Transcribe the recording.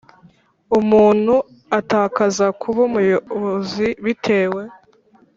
Umuntu atakaza kuba umuyobozi bitewe